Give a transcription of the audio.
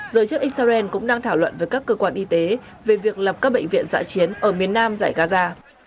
giới chức israel cũng đang thảo luận với các cơ quan y tế về việc lập các bệnh viện dạ chiến ở miền nam giải gaza